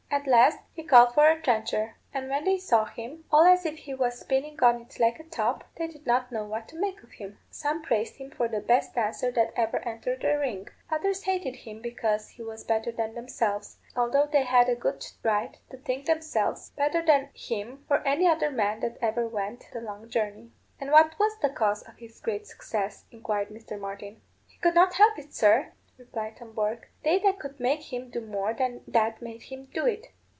At last he called for a trencher; and when they saw him, all as if he was spinning on it like a top, they did not know what to make of him. Some praised him for the best dancer that ever entered a ring; others hated him because he was better than themselves; although they had good right to think themselves better than him or any other man that ever went the long journey." "And what was the cause of his great success?" inquired Mr. Martin. "He could not help it, sir," replied Tom Bourke. "They that could make him do more than that made him do it.